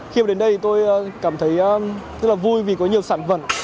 khi đến đây tôi cảm thấy rất là vui vì có nhiều sản vật